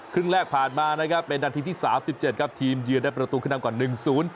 ครึ่งแรกผ่านมานะครับเป็นนาทีที่๓๗ครับทีมเยือนได้เป็นประตูขึ้นทำกว่า๑๐